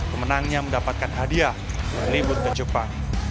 pemenangnya mendapatkan hadiah berlibur ke jepang